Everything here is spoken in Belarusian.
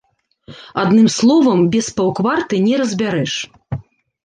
Адным словам, без паўкварты не разбярэш.